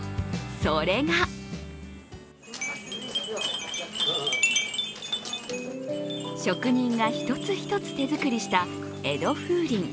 それが職人が一つ一つ手作りした江戸風鈴。